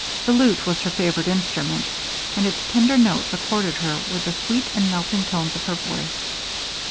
The lute was her favorite instrument, and its tender notes accorded well with the sweet and melting tones of her voice.